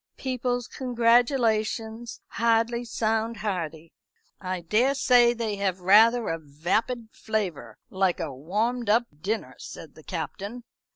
People's congratulations hardly sound hearty." "I daresay they have rather a vapid flavour, like a warmed up dinner," said the Captain.